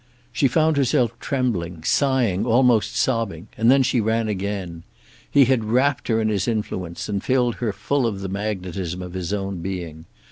She found herself trembling, sighing, almost sobbing, and then she ran again. He had wrapped her in his influence, and filled her full of the magnetism of his own being.